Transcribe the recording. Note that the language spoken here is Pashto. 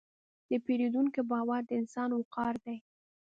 د پیرودونکي باور د انسان وقار دی.